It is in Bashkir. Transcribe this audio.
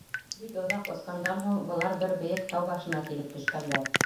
Бик оҙаҡ осҡандан һуң, былар бер бейек тау башына килеп төшкәндәр.